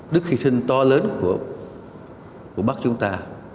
đức hy sinh to lớn của bác chúng ta